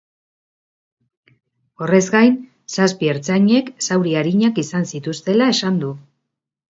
Horrez gain, zazpi ertzainek zauri arinak izan zituztela esan du.